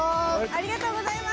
ありがとうございます。